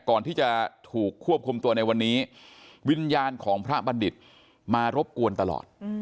ก่อนที่จะถูกควบคุมตัวในวันนี้วิญญาณของพระบัณฑิตมารบกวนตลอด